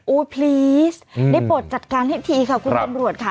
โอ้ยพลีสได้โปรดจัดการให้ทีครับคุณอำรวจค่ะ